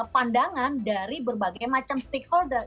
pandangan dari berbagai macam stakeholder